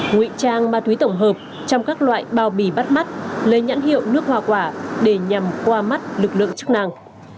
nguy trang ma túy tổng hợp trong các loại bao bì bắt mắt lê nhãn hiệu nước hòa quả để nhằm qua mắt lực lượng chức năng